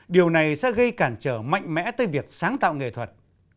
điều này sẽ gây cản trở mạnh mẽ tới việc sáng tạo nghệ thuật